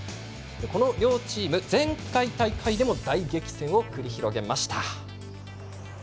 この両チーム前回大会でも大激戦を繰り広げました。